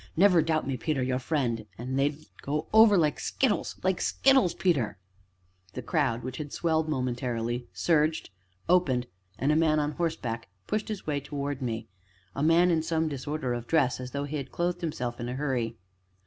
Never doubt me, Peter your friend an' they'd go over like skittles like skittles, Peter " The crowd, which had swelled momentarily, surged, opened, and a man on horseback pushed his way towards me, a man in some disorder of dress, as though he had clothed himself in a hurry.